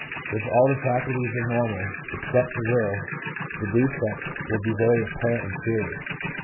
If all the faculties were normal except the will, the defect would be very apparent and serious.